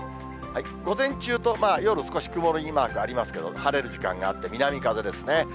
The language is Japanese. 午前中と夜少し、曇りマークありますけど、晴れる時間があって、南風ですね。